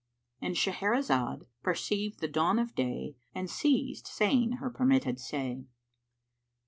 —And Shahrazad perceived the dawn of day and ceased saying her permitted say.